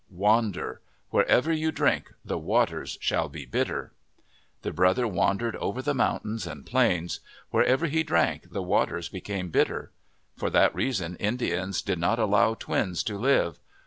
Wander. Wherever you drink, the waters shall be bitter." The brother wandered over the mountains and plains. Wherever he drank the waters became bitter. For that reason Indians did not allow twins to live.